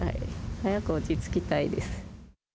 早く落ち着きたいです。